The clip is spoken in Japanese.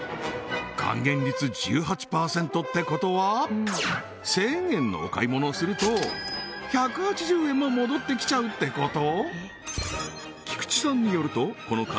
還元率１８％ってことは１０００円のお買い物をすると１８０円も戻ってきちゃうってこと？